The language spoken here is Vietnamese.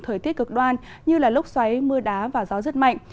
thời tiết cực đoan như lốc xoáy mưa đá và gió rất mạnh